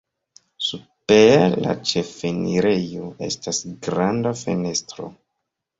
Super la ĉefenirejo estas granda fenestro.